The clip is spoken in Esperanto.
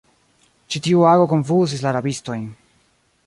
Ĉi tiu ago konfuzis la rabistojn.